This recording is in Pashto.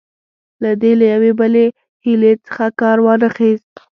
که دې له یوې بلې حیلې څخه کار وانه خیست.